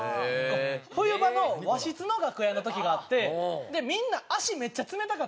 冬場の和室の楽屋の時があってみんな足めっちゃ冷たかったんですね。